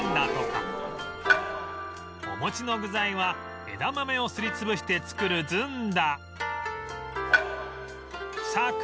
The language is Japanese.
お餅の具材は枝豆をすり潰して作るずんだ